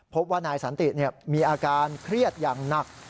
พบว่านายสันติมีอาการเครียดอย่างหนัก